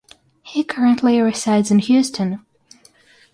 He currently resides in Houston.